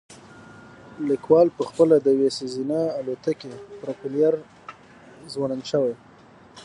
لیکوال پخپله د یوې سیزنا الوتکې په پروپیلر ځوړند شوی